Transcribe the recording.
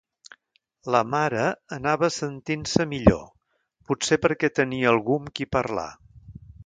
La mare anava sentint-se millor, potser perquè tenia algú amb qui parlar.